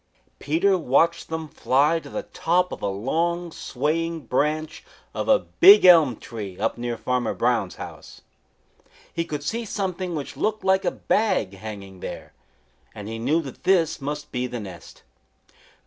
Peter watched them fly to the top of a long, swaying branch of a big elm tree up near Farmer Brown's house. He could see something which looked like a bag hanging there, and he knew that this must be the nest.